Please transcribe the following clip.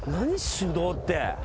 手動って。